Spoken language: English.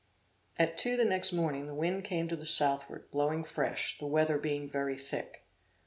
At two next morning, the wind came to the southward, blowing fresh, the weather being very thick.